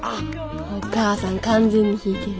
母さん完全に引いてる。